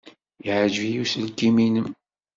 Yeɛjeb-iyi uselkim-nnem.